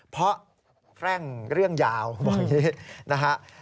เพราะแฟร่งเรื่องยาวบอกอย่างนี้นะฮะ